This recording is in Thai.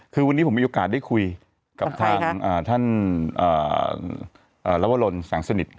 คือวันนี้ผมมีโอกาสได้คุยกับทางท่านอ่าอ่าอ่าลวรรณสังสนิท